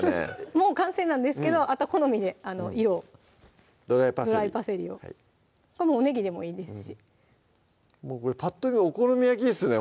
もう完成なんですけどあとは好みで色をドライパセリドライパセリをおねぎでもいいですしぱっと見お好み焼きですね